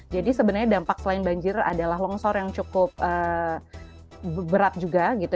jadi sebenarnya dampak selain banjir adalah longsor yang cukup berat juga gitu